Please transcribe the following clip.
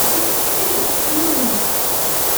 Eh ! tu m’ennuies !